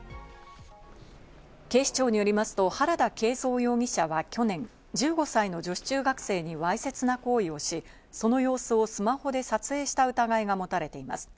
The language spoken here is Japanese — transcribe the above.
警視庁によりますと原田慶三容疑者は去年、１５歳の女子中学生にわいせつな行為をし、その様子をスマホで撮影した疑いが持たれています。